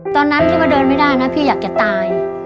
ตอนนั้นที่ว่าเดินไม่ได้นะพี่อยากจะตาย